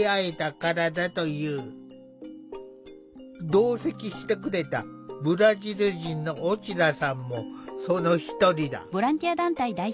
同席してくれたブラジル人のオチラさんもその一人だ。